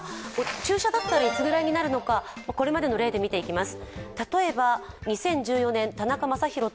注射だったら、いつぐらいになるのかこれまでの例で見ていきます。